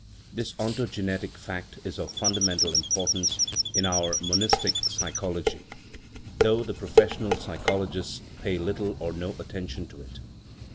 This ontogenetic fact is of fundamental importance in our monistic psy chology, though the " professional" psychologists pay little or no attention to it.